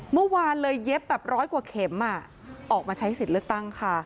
เมื่อวานเลยเย็บแบบร้อยกว่าเข็มออกมาใช้สิทธิ์เลือกตั้งค่ะ